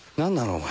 お前。